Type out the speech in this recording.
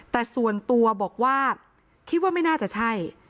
แต่ส่วนตัวบอกว่าคิดว่าไม่น่าจะใช่